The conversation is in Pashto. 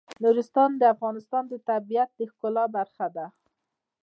نورستان د افغانستان د طبیعت د ښکلا برخه ده.